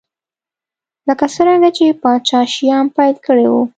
لکه څرنګه چې پاچا شیام پیل کړی و.